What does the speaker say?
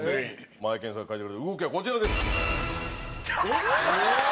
マエケンさん描いてくれた動きはこちらです。